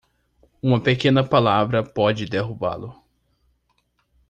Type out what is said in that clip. Uma pequena palavra pode derrubá-lo.